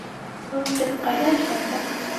Был итек ҡайҙа эшләнгән?